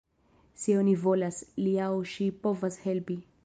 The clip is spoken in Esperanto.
Se oni volas, li aŭ ŝi povas helpi.